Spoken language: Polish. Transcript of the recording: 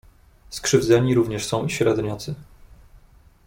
"Skrzywdzeni również są i średniacy."